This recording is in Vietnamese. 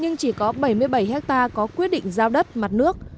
nhưng chỉ có bảy mươi bảy hectare có quyết định giao đất mặt nước